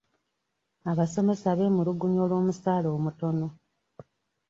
Abasomesa beemulugunya olw'omusaala omutono.